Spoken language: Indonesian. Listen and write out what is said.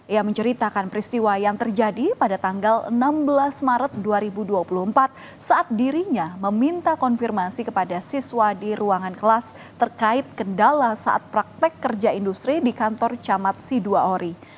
ia menceritakan peristiwa yang terjadi pada tanggal enam belas maret dua ribu dua puluh empat saat dirinya meminta konfirmasi kepada siswa di ruangan kelas terkait kendala saat praktek kerja industri di kantor camat si dua ori